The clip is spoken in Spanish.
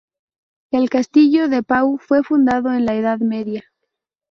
El castillo de Pau fue fundado en la Edad Media.